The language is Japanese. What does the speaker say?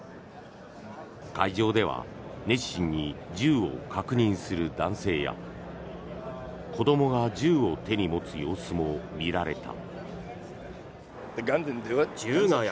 会場では熱心に銃を確認する男性や子どもが銃を手に持つ様子も見られた。